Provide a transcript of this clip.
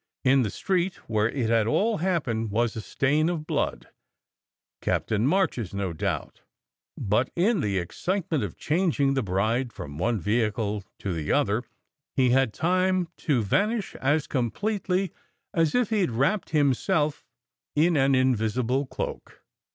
In the street where it had all happened was a stain of blood, Captain March s no doubt; but in the excitement of changing the bride from one vehicle to the other he had time to vanish as completely as if he d wrapped him self in an invisible cloak.